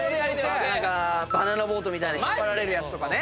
バナナボートみたいな引っ張られるやつとかね。